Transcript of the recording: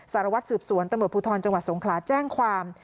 สารวัตรสืบสวนตำรวจภูทรจังหวัดสงขลาแจ้งความ